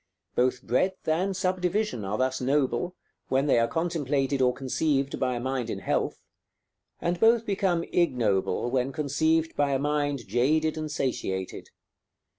Both breadth and subdivision are thus noble, when they are contemplated or conceived by a mind in health; and both become ignoble, when conceived by a mind jaded and satiated.